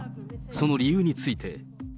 その理由について。